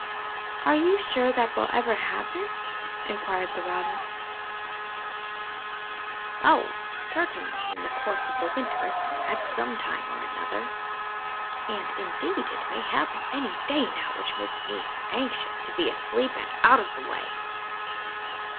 "Are you sure that will ever happen?" inquired the Robin. "Oh! certainly, in the course of the winter, at some time or another; and, indeed, it may happen any day now, which makes me anxious to be asleep and out of the way."